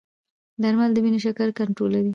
درمل د وینې شکر کنټرولوي.